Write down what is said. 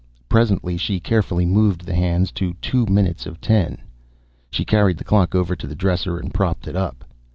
Presently she carefully moved the hands to two minutes of ten. She carried the clock over to the dresser and propped it up.